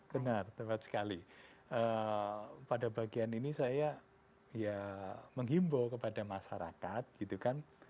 benar tepat sekali pada bagian ini saya ya menghimbau kepada masyarakat gitu kan